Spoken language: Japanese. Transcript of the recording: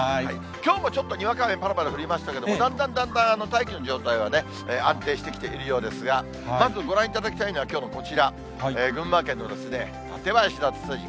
きょうもちょっとにわか雨ぱらぱら降りましたけれども、だんだんだんだん大気の状態はね、安定してきているようですが、まずご覧いただきたいのはきょうのこちら、群馬県の館林のつつじ。